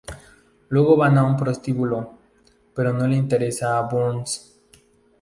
Luego van a un prostíbulo, pero no le interesa a Burns.